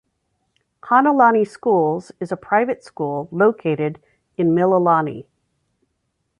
Hanalani Schools is a private school located in Mililani.